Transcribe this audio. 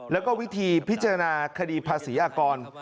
แล้วก็วิธีพิจารณาคดีภาษีอากร